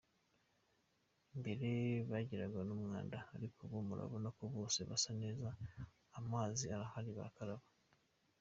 Mbere bagiraga n’umwanda ariko ubu murabona ko bose basa neza amazi arahari barakaraba.